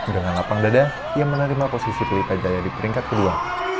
dengan lapang dada ia menerima posisi pelita jaya di peringkat kedua